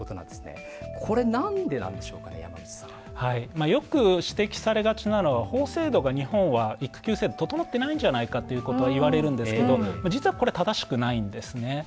まあよく指摘されがちなのは法制度が日本は育休制度整ってないんじゃないかっていうことを言われるんですけど実はこれ正しくないんですね。